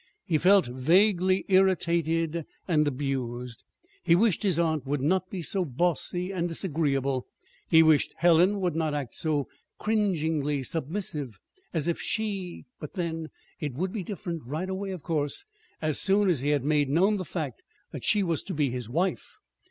He felt vaguely irritated and abused. He wished his aunt would not be so "bossy" and disagreeable. He wished Helen would not act so cringingly submissive. As if she But then, it would be different right away, of course, as soon as he had made known the fact that she was to be his wife.